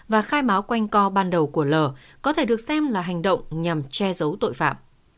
và khai báo quanh co ban đầu của l có thể được xem là hành động nhằm che giấu tội phạm